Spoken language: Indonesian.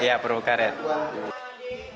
iya perahu karet